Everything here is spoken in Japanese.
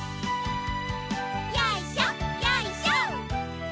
よいしょよいしょ。